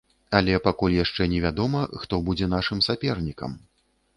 Але пакуль яшчэ невядома, хто будзе нашым сапернікам.